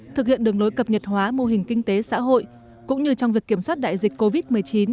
thực hiện đường lối cập nhật hóa mô hình kinh tế xã hội cũng như trong việc kiểm soát đại dịch covid một mươi chín